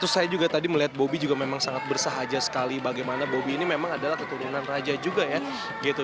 saya juga tadi melihat bobi juga memang sangat bersahaja sekali bagaimana bobby ini memang adalah keturunan raja juga ya gitu